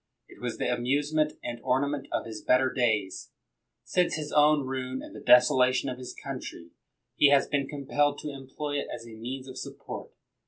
It was the amusement and ornament of his better days. Since his own ruin and the desolation of his country, he has been compelled to employ it as a means of support.